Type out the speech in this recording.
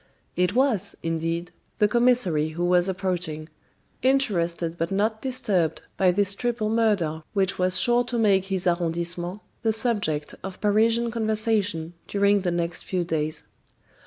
It was, indeed, the commissary who was approaching, interested but not disturbed by this triple murder which was sure to make his arrondissement the subject of Parisian conversation during the next few days.